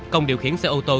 công điều khiển xe ô tô